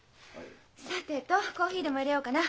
さてとコーヒーでもいれようかな